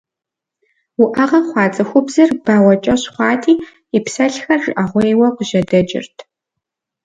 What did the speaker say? Уӏэгъэ хъуа цӏыхубзыр бауэкӏэщӏ хъуати къипсэлъхэр жыӏэгъуейуэ къыжьэдэкӏырт.